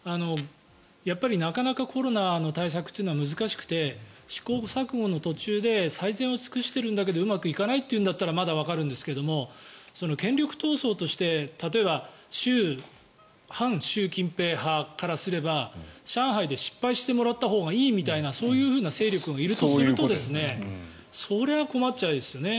やっぱり、なかなかコロナの対策というのは難しくて試行錯誤の途中で最善を尽くしているんだけれどうまくいかないというんだったらまだわかるんですが権力闘争として例えば、反習近平派からすれば上海で失敗してもらったほうがいいみたいなそういうふうな勢力がいるとするとそれは困っちゃいますよね。